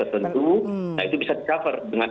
tentu nah itu bisa di cover dengan